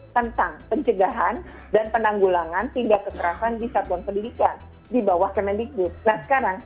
tentang pencegahan dan penanggulangan tindak keterahan di satuan pendidikan di bawah kementerian agama